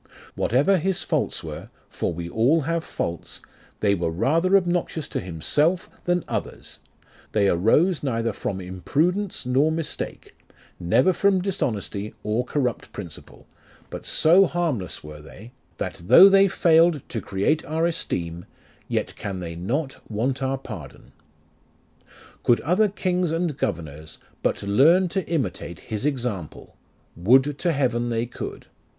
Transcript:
Whatever his faults were, For we have all faults, They were rather obnoxious to himself than others ; They arose neither from imprudence nor mistake, Never from dishonesty or corrupt principle, But so harmless were they, \oi. iv. i 114 LIFE OF RICHARD NASH. That though they failed to create our esteem, Yet can they not want our pardon. Could other kings and governors But learn to imitate his example, (Would to heaven they could